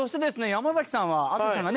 山崎さんは淳さんがね